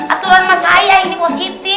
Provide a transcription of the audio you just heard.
aturan mah saya ini pak siti